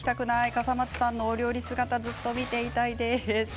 笠松さんのお料理姿をずっと見ていたいです。